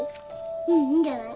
うんいいんじゃない？